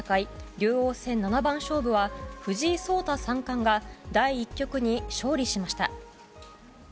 竜王戦七番勝負は藤井聡太三冠が第１局に勝利しました。